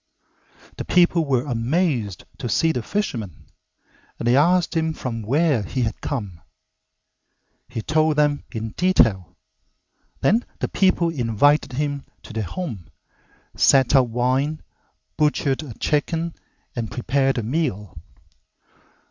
The people were amazed to see the fisherman, and they asked him from where he had come. He told them in detail, then the people invited him to their home, set out wine, butchered a chicken , and prepared a meal.